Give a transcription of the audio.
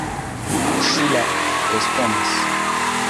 Ŝila respondis.